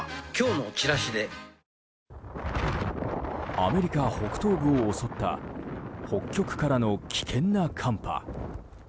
アメリカ北東部を襲った北極からの危険な寒波。